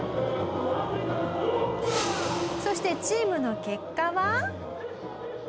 そしてチームの結果は。